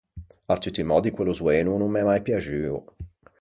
À tutti i mòddi quello zoeno o no m’é mai piaxuo.